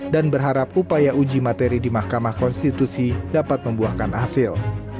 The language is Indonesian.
dan berharap upaya uji materi di mahkamah konstitusi dapat membuahkan hasil